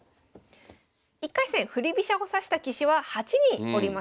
１回戦振り飛車を指した棋士は８人おりました。